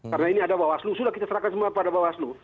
karena ini ada bawaslu sudah kita serahkan semua pada bawaslu